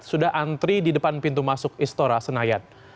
sudah antri di depan pintu masuk istora senayan